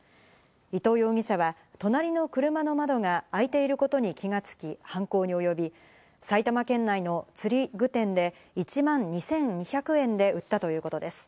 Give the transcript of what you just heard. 伊藤容疑者は隣の車の窓が開いていることに気が付き犯行に及び、埼玉県内の釣り具店で１万２２００円で売ったということです。